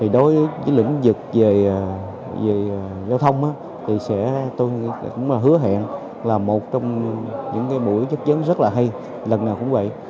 đối với lĩnh vực về giao thông thì tôi cũng hứa hẹn là một trong những cái buổi chấp nhận rất là hay lần nào cũng vậy